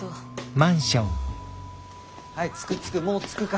はい着く着くもう着くから。